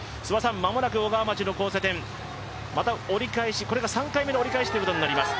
間もなく小川町の交差点また３回目の折り返しということになります。